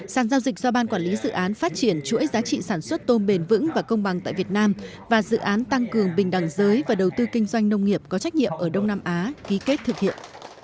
sản giao dịch do ban quản lý dự án phát triển chuỗi giá trị sản xuất tôm bền vững và công bằng tại việt nam và dự án tăng cường bình đẳng giới và đầu tư kinh doanh nông nghiệp có trách nhiệm ở đông nam á ký kết thực hiện